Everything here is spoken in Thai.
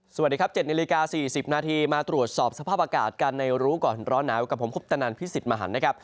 สวัสดีครับ๗นาฬิกา๔๐นาทีมาตรวจสอบสภาพอากาศกันในรู้ก่อนร้อนหนาวกับผมคุปตนันพิสิทธิ์มหันนะครับ